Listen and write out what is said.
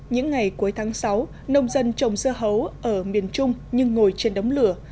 những ngày cuối tháng sáu nông dân trồng dưa hấu ở miền trung nhưng ngồi trên đống lửa